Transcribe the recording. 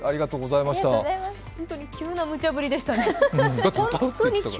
本当に急なむちゃぶりでしたね。